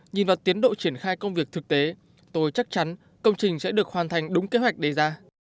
nhìn vào tiến độ triển khai công việc thực tế tôi chắc chắn công trình sẽ được hoàn thành đúng kế hoạch đề ra